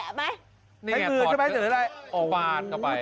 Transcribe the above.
ใช้มือใช่ไหมเหลืออะไร